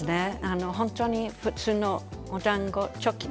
本当に普通のおだんご。